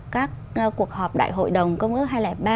các cuộc họp đại hội đồng công ước